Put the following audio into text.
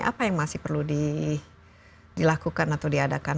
apa yang masih perlu dilakukan atau diadakan